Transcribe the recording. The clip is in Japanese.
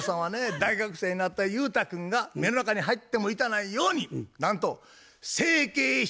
大学生になった勇太君が目の中に入っても痛ないようになんと整形手術。